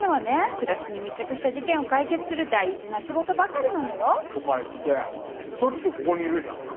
暮らしに密着した事件を解決する大事な仕事ばかりなのよ。とか言ってしょっちゅうここにいるじゃん。